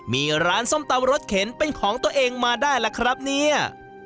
มีร้านส้มตำรสเข็นเป็นของตัวเองมาได้ล่ะครับเนี่ย